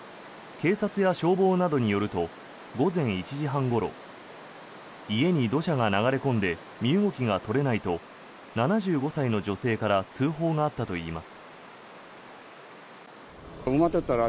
警察や消防などによると午前１時半ごろ家に土砂が流れ込んで身動きが取れないと７５歳の女性から通報があったといいます。